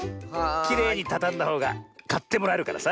きれいにたたんだほうがかってもらえるからさ。